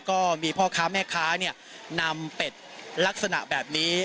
ก็มีพ่อค้าแม่ค้านำเป็ดลักษณะแบบนี้